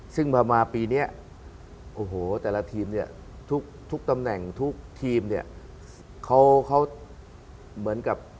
ซึ่งพอมาปีนี้โอ้โหแต่ละทีมเนี่ยทุกตำแหน่งทุกทีมเนี่ยเขาเหมือนกับ